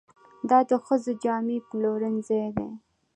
دا د ښځو جامې پلورنځی دی.